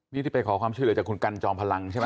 นี่ที่ไปขอความช่วยเหลือจากคุณกันจอมพลังใช่ไหม